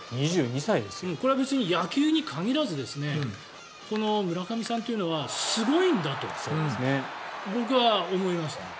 これは別に野球に限らずこの村上さんというのはすごいんだと僕は思いますね。